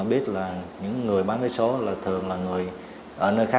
để có đi theo mình